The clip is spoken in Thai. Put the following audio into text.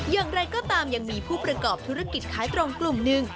อย่างไรก็ตามยังมีผู้ประกอบธุรกิจขายตรงกลุ่มหนึ่ง